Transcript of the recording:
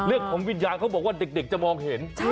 เรื่องของวิญญาณเขาบอกว่าเด็กจะมองเห็น